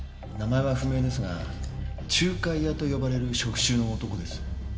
名前は不明ですが仲介屋と呼ばれる職種の男です。